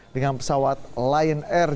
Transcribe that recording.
dengan pesawat lion air